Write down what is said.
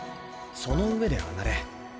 その上で上がれ。